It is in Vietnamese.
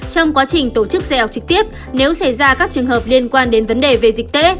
trong quá trình tổ chức xe học trực tiếp nếu xảy ra các trường hợp liên quan đến vấn đề về dịch tễ